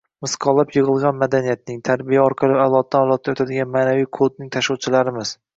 misqollab yig‘ilgan madaniyatning, tarbiya orqali avloddan avlodga o‘tadigan ma’naviy kodning tashuvchilarimiz.